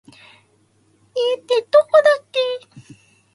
家ってどこだっけ